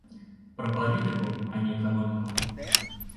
Пра палітыку, а не эканоміку!